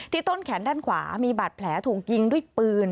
ต้นแขนด้านขวามีบาดแผลถูกยิงด้วยปืน